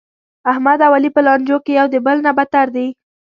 احمد او علي په لانجو کې یو د بل نه بتر دي.